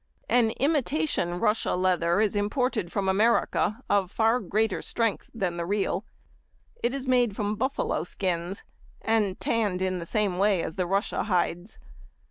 An imitation russia leather is imported from America, of far greater strength than the real. It is made from buffalo skins, and tanned in the same way as the russia hides.